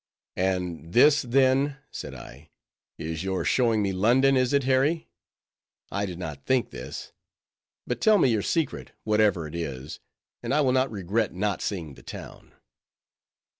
"And this, then," said I, "is your showing me London, is it, Harry? I did not think this; but tell me your secret, whatever it is, and I will not regret not seeing the town."